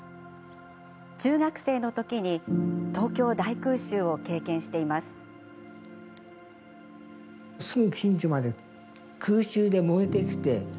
中学生の時に東京大空襲を経験しています。